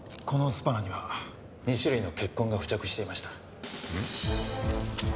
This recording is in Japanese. このスパナには２種類の血痕が付着していました。